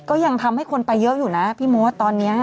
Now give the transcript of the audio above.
ก็ยังทำให้คนไปเยอะอยู่นะพี่มดตอนนี้